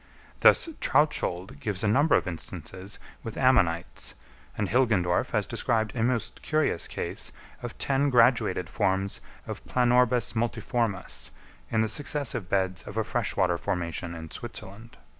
Thus Trautschold gives a number of instances with Ammonites, and Hilgendorf has described a most curious case of ten graduated forms of Planorbis multiformis in the successive beds of a fresh water formation in Switzerland.